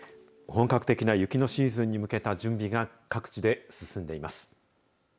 本格的な雪のシーズンに向けた準備が各地で進んでいます。